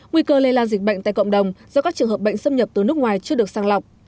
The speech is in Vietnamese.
nguy cơ lây lan dịch bệnh tại cộng đồng do các trường hợp bệnh xâm nhập từ nước ngoài chưa được sang lọc